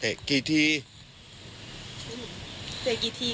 เตะกี่ทีครับ